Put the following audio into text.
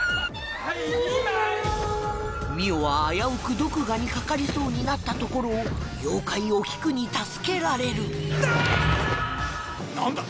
澪は危うく毒牙にかかりそうになったところを妖怪お菊に助けられるなんだ？